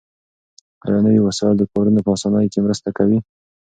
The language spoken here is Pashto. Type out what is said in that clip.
آیا نوي وسایل د کارونو په اسانۍ کې مرسته کوي؟